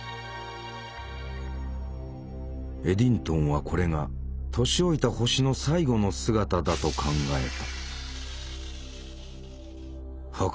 エディントンはこれが年老いた星の最後の姿だと考えた。